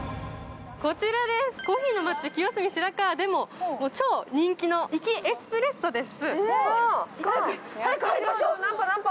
こちらです、コーヒーの街・清澄白河でも超人気のｉｋｉＥＳＰＲＥＳＳＯです。